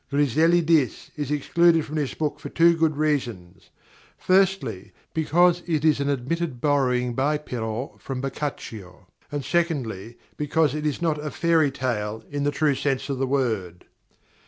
"Griselidis" is excluded from this book for two good reasons; firstly, because it is an admitted borrowing by Perrault from Boccaccio; secondly, because it is not a 'fairy' tale in the true sense of the word.